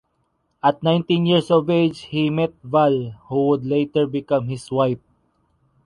At nineteen years of age he met Val, who would later become his wife.